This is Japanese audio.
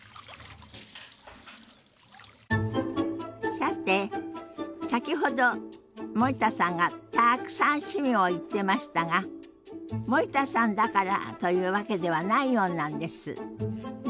さて先ほど森田さんがたくさん趣味を言ってましたが森田さんだからというわけではないようなんです。ね？